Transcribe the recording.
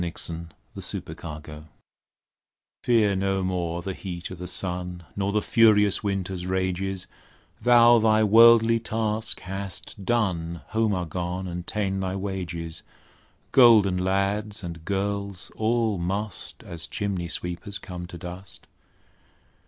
William Shakespeare Fear No More Fear no more the heat o' the sun; Nor the furious winter's rages, Thou thy worldly task hast done, Home art gone, and ta'en thy wages; Golden lads and girls all must, As chimney sweepers come to dust.